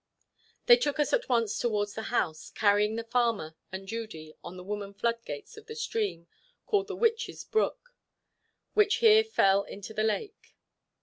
They took us at once towards the house, carrying the farmer and Judy on the wooden floodgates of the stream called the "Witches' brook," which here fell into the lake.